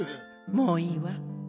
もういいわ。